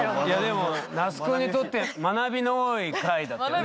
でも那須くんにとって学びの多い回だったよね。